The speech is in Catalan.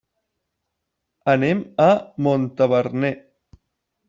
Anem a Montaverner.